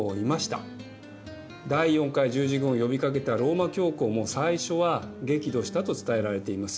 第４回十字軍を呼びかけたローマ教皇も最初は激怒したと伝えられています。